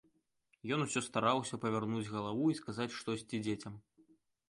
Ён усё стараўся павярнуць галаву і сказаць штосьці дзецям.